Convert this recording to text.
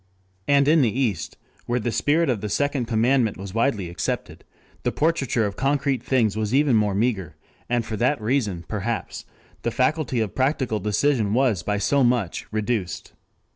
And in the East, where the spirit of the second commandment was widely accepted, the portraiture of concrete things was even more meager, and for that reason perhaps the faculty of practical decision was by so much reduced.